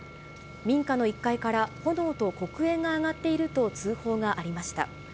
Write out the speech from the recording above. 民家の１階から炎と黒煙が上がっていると通報がありました。